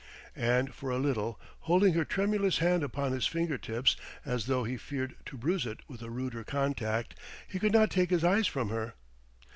And for a little, holding her tremulous hand upon his finger tips as though he feared to bruise it with a ruder contact, he could not take his eyes from her.